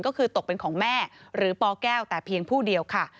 ก็คือตกเป็นของแม่หรือปแก้วแต่เพียงผู้เดียวค่ะ